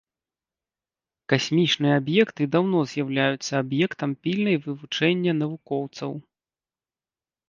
Касмічныя аб'екты даўно з'яўляюцца аб'ектам пільнай вывучэння навукоўцаў.